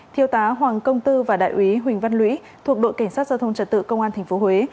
thiêu tá hoàng công tư và đại úy huỳnh văn lũy thuộc đội cảnh sát giao thông trật tự công an tp huế